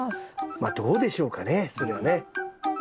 まあどうでしょうかねそれはね。